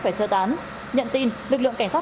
phải sơ tán nhận tin lực lượng cảnh sát